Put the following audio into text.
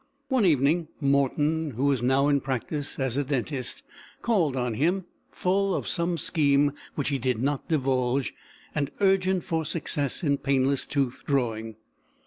One evening, Morton, who was now in practice as a dentist, called on him, full of some scheme which he did not divulge, and urgent for success in painless tooth drawing.